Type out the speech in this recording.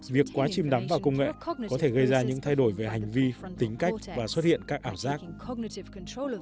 việc quá chim đắm vào công nghệ có thể gây ra những thay đổi về hành vi tính cách và xuất hiện các ảo giác